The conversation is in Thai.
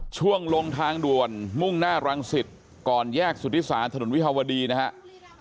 ช่วงลงทางด่วนมุ่งหน้ารังสิตก่อนแยกสุธิศาลถนนวิภาวดีนะครับ